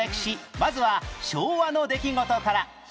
まずは昭和の出来事から